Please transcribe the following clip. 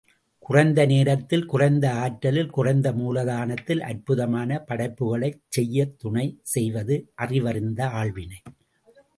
குறைந்த நேரத்தில் குறைந்த ஆற்றலில் குறைந்த மூலதனத்தில் அற்புதமான படைப்புக்களைச் செய்யத் துணை செய்வது அறிவறிந்த ஆள்வினை.